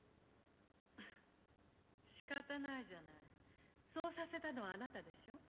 フッ仕方ないじゃないそうさせたのはあなたでしょ？